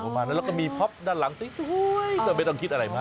ประมาณนั้นแล้วก็มีพ็อปด้านหลังสวยแต่ไม่ต้องคิดอะไรมาก